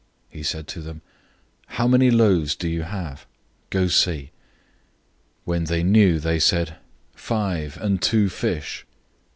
006:038 He said to them, "How many loaves do you have? Go see." When they knew, they said, "Five, and two fish."